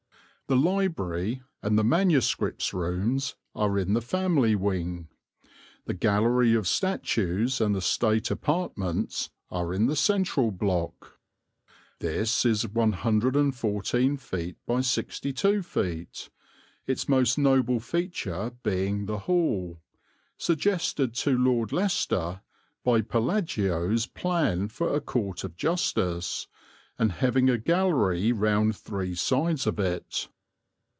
The library and the MSS. rooms are in the family wing; the gallery of statues and the state apartments are in the central block. This is 114 ft. by 62 ft., its most noble feature being the hall, suggested to Lord Leicester by Palladio's plan for a Court of Justice, and having a gallery round three sides of it.